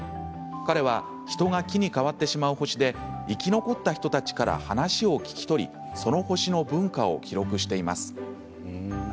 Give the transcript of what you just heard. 彼は、人が木に変わってしまう星で生き残った人たちから話を聞き取りその星の文化を記録しています。